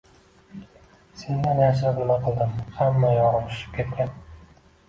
Sendan yashirib nima qildim, hamma yog`im shishib ketgan